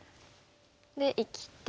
で生きて。